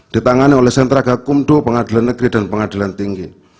ditangani oleh sentra gakumdo pengadilan negeri dan pengadilan tinggi